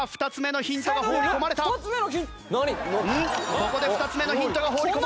ここで２つ目のヒントが放り込まれた！